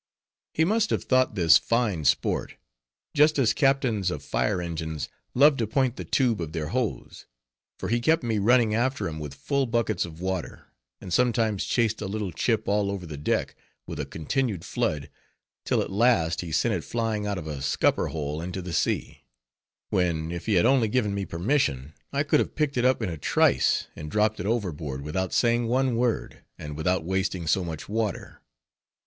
He must have thought this fine sport, just as captains of fire engines love to point the tube of their hose; for he kept me running after him with full buckets of water, and sometimes chased a little chip all over the deck, with a continued flood, till at last he sent it flying out of a scupper hole into the sea; when if he had only given me permission, I could have picked it up in a trice, and dropped it overboard without saying one word, and without wasting so much water.